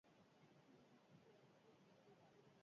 Aita langabezian dago duela bi urtetik.